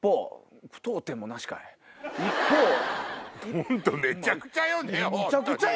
本当めちゃくちゃよね！